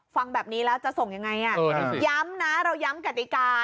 ฟังแบบนี้แล้วจะส่งยังไงย้ำนะเราย้ำกติกา